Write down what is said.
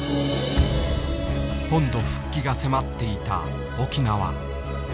本土復帰が迫っていた沖縄。